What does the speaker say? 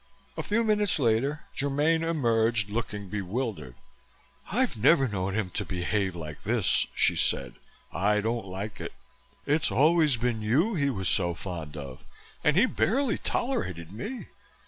A few minutes later, Germaine emerged looking bewildered. "I've never known him to behave like this," she said. "I don't like it. It's always been you he was so fond of and he barely tolerated me.